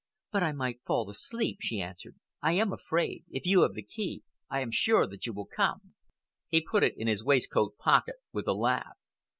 "But I might fall asleep," she answered. "I am afraid. If you have the key, I am sure that you will come." He put it in his waistcoat pocket with a laugh.